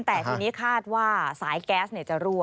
แต่ทีนี้คาดว่าสายแก๊สจะรั่ว